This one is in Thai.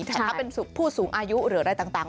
แต่ถ้าเป็นผู้สูงอายุหรืออะไรต่าง